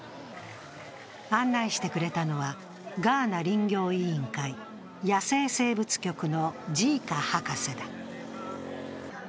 案内してくれたのは、ガーナ林業委員会・野生生物局のジーカ博士だ。